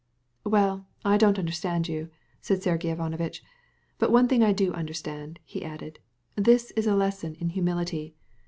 "Well, that I don't understand," said Sergey Ivanovitch. "One thing I do understand," he added; "it's a lesson in humility.